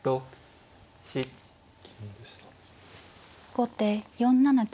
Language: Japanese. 後手４七金。